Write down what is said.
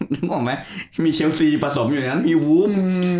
นึกออกไหมมีเชลซีผสมอยู่ในนั้นอีวูบ